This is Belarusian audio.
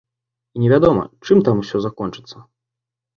І невядома, чым там усё закончыцца.